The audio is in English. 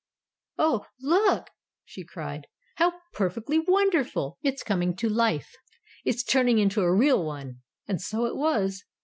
"Oh, look!" she cried. "How perfectly wonderful! It's coming to life! It's turning into a real one!" And so it was.